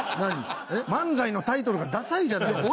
漫才のタイトルがダサいじゃないですか。